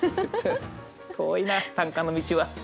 遠いな短歌の道は。